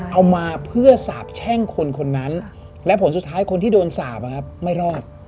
เอามาเพื่อสาบแช่งคนคนนั้นและผลสุดท้ายคนที่โดนสาปไม่รอด